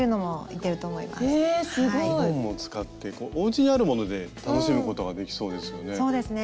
リボンも使っておうちにあるもので楽しむことができそうですよね。